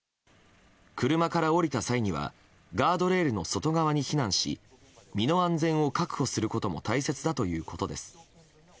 車から降りた際にはガードレールの外側に避難し身の安全を確保することも大切だということです。